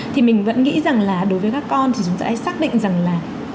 thì mình vẫn nghĩ rằng là đối với các con thì chúng ta hãy xác định rằng là